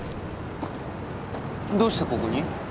どうしてここに？